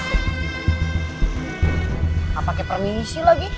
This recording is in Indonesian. gak pake permisi lagi